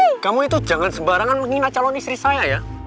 eh kamu itu jangan sembarangan menghina calon istri saya ya